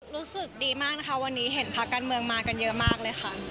รู้สึกดีมากนะคะวันนี้เห็นพักการเมืองมากันเยอะมากเลยค่ะ